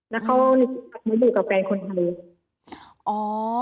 มันอยู่กับแฟนคนเขา